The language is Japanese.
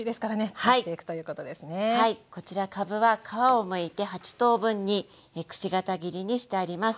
こちらかぶは皮をむいて８等分にくし形切りにしてあります。